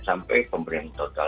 sampai pemberhentian total